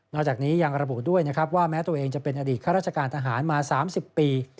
จากนี้ยังระบุด้วยนะครับว่าแม้ตัวเองจะเป็นอดีตข้าราชการทหารมา๓๐ปี